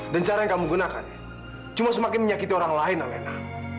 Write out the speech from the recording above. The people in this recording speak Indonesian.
dan cara yang kamu gunakan cuma semakin menyakiti orang lain alena